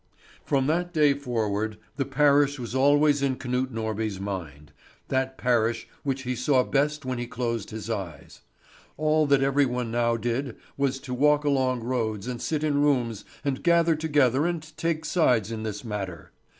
From that day forward the parish was always in Knut Norby's mind, that parish which he saw best when he closed his eyes. All that every one now did was to walk along roads and sit in rooms and gather together and take sides in this matter.